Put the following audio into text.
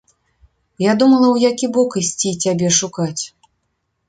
Я думала, у які бок ісці цябе шукаць.